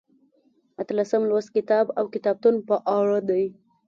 اتلسم لوست کتاب او کتابتون په اړه دی.